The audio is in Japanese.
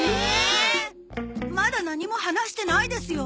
まだ何も話してないですよ。